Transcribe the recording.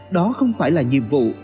đó không phải là nhiệm vụ